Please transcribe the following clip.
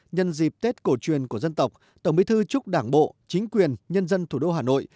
nhân dịp tết cổ truyền của dân tộc tổng bí thư chúc đảng bộ chính quyền nhân dân thủ đô hà nội